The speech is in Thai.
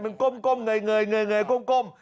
มันก้มเงยก้ม